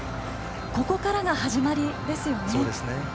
ここからが始まりですよね。